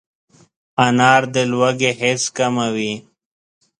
انار د لوږې حس کموي.